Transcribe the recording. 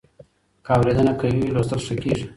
که اورېدنه قوي وي، لوستل ښه کېږي.